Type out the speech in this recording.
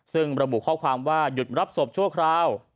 ซึ่งระบุข้อความว่าหยุดรับศพชั่วคราว